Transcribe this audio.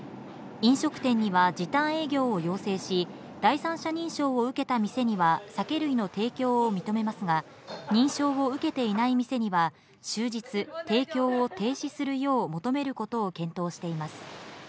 飲食店には時短営業を要請し、第三者認証を受けた店には酒類の提供を認めますが、認証を受けていない店には終日、提供を停止するよう求めることを検討しています。